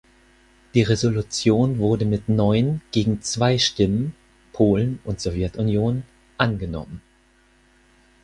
Die Resolution wurde mit neun gegen zwei Stimmen (Polen und Sowjetunion) angenommen.